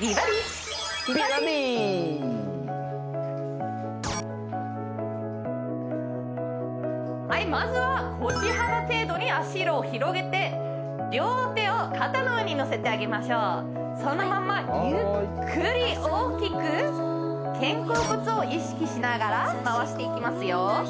美バディ美バディはいまずは腰幅程度に足を広げて両手を肩の上に乗せてあげましょうそのままゆっくり大きく肩甲骨を意識しながら回していきますよ